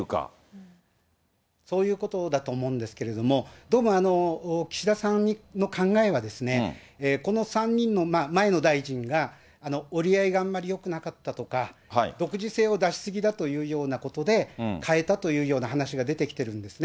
そういうことだと思うんですけれども、どうも岸田さんの考えは、この３人の前の大臣が折り合いがあんまりよくなかったとか、独自性を出し過ぎだというようなことで、代えたというような話が出てきているんですね。